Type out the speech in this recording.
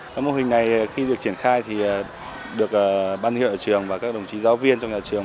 các mô hình này khi được triển khai thì được ban thương hiệu nhà trường và các đồng chí giáo viên trong nhà trường